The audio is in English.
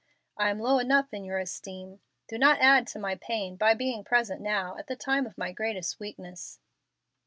I am low enough in your esteem. Do not add to my pain by being present now at the time of my greatest weakness."